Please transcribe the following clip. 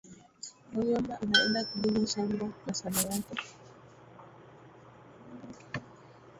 Muyomba anaenda kulima mashamba yake